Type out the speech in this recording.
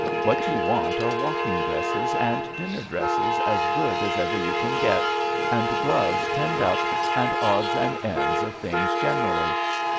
What you want are walking dresses and dinner dresses as good as ever you can get, and gloves tinned up, and odds and ends of things generally.